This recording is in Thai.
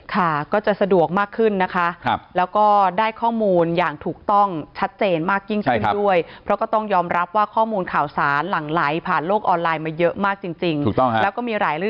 ค่ะก็จะสะดวกมากขึ้นนะคะแล้วก็ได้ข้อมูลอย่างถูกต้องชัดเจนมากยิ่งขึ้นด้วย